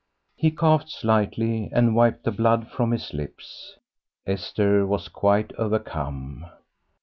He coughed slightly and wiped the blood from his lips. Esther was quite overcome.